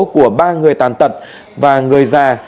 của ba người tàn tật và người già